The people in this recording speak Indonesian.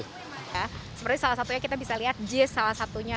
seperti salah satunya kita bisa lihat jis salah satunya